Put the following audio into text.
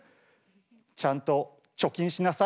ちゃんと貯金しなさい。